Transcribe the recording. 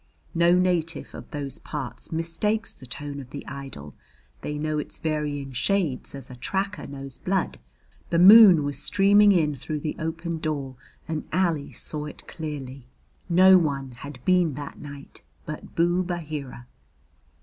No native of those parts mistakes the tone of the idol, they know its varying shades as a tracker knows blood; the moon was streaming in through the open door and Ali saw it clearly. No one had been that night but Boob Aheera.